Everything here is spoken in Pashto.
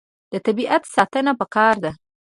د طبیعت ساتنه پکار ده.